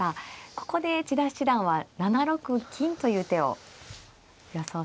ここで千田七段は７六金という手を予想されてましたね。